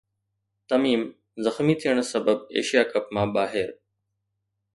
تميم زخمي ٿيڻ سبب ايشيا ڪپ مان ٻاهر